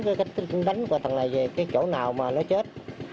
cái cách đánh của tầng này về cái chỗ nào mà nó chết